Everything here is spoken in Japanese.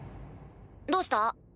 どうした？